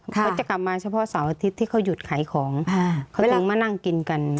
เขาจะกลับมาเฉพาะเสาร์อาทิตย์ที่เขาหยุดขายของเขากำลังมานั่งกินกัน